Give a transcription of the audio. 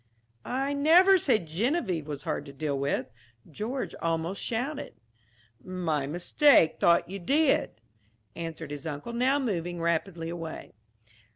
"I never said Geneviève was hard to deal with," George almost shouted. "My mistake thought you did," answered his uncle, now moving rapidly away.